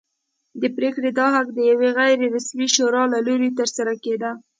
د پرېکړې دا حق د یوې غیر رسمي شورا له لوري ترلاسه کېده.